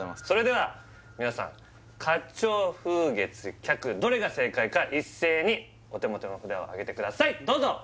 それでは皆さん花鳥風月客どれが正解か一斉にお手元の札をあげてくださいどうぞ！